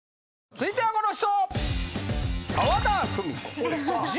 続いてはこの人！